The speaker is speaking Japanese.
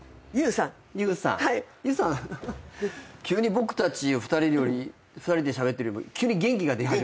僕たち２人でしゃべってるより急に元気が出始めた。